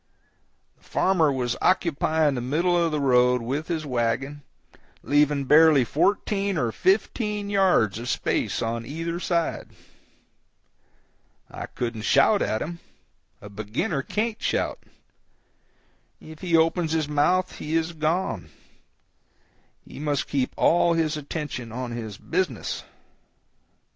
The farmer was occupying the middle of the road with his wagon, leaving barely fourteen or fifteen yards of space on either side. I couldn't shout at him—a beginner can't shout; if he opens his mouth he is gone; he must keep all his attention on his business.